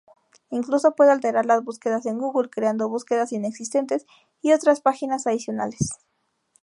Incluso puede alterar las búsquedas en Google, creando búsquedas inexistentes y otras páginas adicionales.